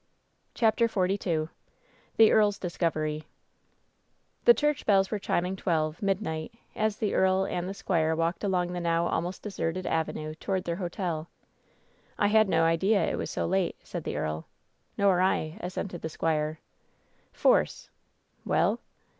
CHAPTEK XLII THE EAEL's DISCOVEBY The church bells were chiming twelve, midnight, as the earl and the squire walked along the now almost deserted avenue toward their hotel. "I had no idea it was so late," said the earl. "Nor I," assented the squire. "Force !" "Well